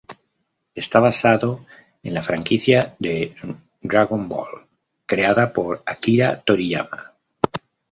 Está basado en la franquicia "Dragon Ball", creada por Akira Toriyama.